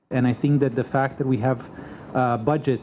dan saya pikir bahwa kita memiliki budjet